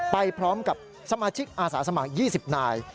ไปพร้อมกับสมาชิกอาสาสมัคร๒๐นาย